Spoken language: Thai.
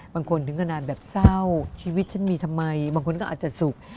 ถึงขนาดแบบเศร้าชีวิตฉันมีทำไมบางคนก็อาจจะสุข